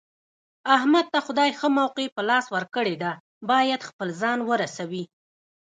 احمد ته خدای ښه موقع په لاس ورکړې ده، باید خپل ځان ورسوي.